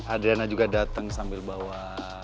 adriana juga datang sambil bawa